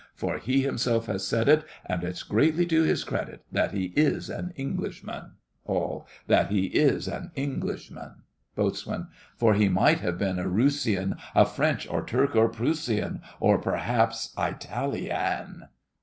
For he himself has said it, And it's greatly to his credit, That he is an Englishman! ALL. That he is an Englishman! BOAT. For he might have been a Roosian, A French, or Turk, or Proosian, Or perhaps Itali an!